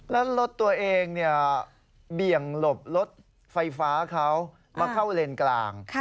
แล้วรถตัวเองเบี่ยงหลบรถไฟฟ้าเขามาเข้าเลนกลาง